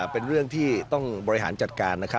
เป็นเรื่องที่ต้องบริหารจัดการนะครับ